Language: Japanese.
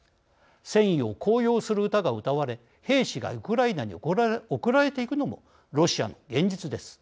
戦意を高揚する歌が歌われ兵士がウクライナに送られていくのもロシアの現実です。